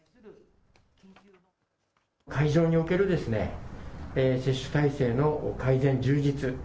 会場における接種体制の改善、充実。